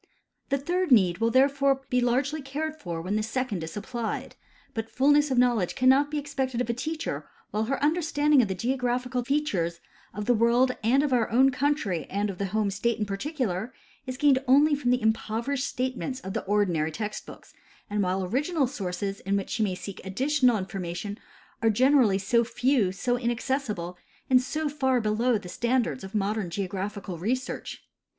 The third need will therefore be largely cared for when the second is supplied ; but fullness of knowledge cannot be expected of a teacher while her under standing of the geographical features of the world and of our own country and of the home state in particular is gained only from the impoverished statements of the ordinary text books, and while the original sources in which she may seek additional information are generally so few, so inaccessible, and so far beloAV the standards of modern geographical research.